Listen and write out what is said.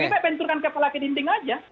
lebih baik benturkan kepala ke dinding aja